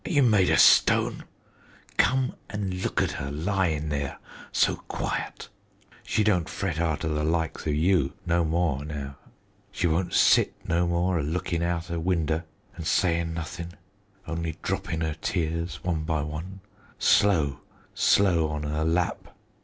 Are you mader stone? Come an' look at 'er lyin' there so quiet. She don't fret arter the likes o' you no more now. She won't sit no more a lookin' outer winder an' sayin' nothin' only droppin' 'er tears one by one, slow, slow on her lap.